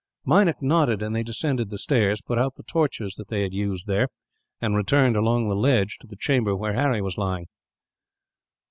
Meinik nodded, and they descended the stairs, put out the torches that they had used there, and returned along the ledge to the chamber where Harry was lying.